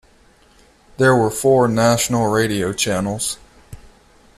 There were four national radio channels.